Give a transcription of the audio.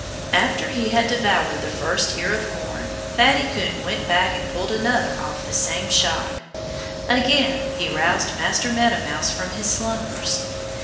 After he had devoured the first ear of corn, Fatty Coon went back and pulled another off the same shock. Again he roused Master Meadow Mouse from his slumbers.